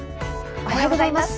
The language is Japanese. おはようございます。